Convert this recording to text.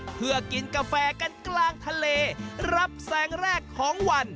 เพื่อกินกาแฟกันกลางทะเลรับแสงแรกของวัน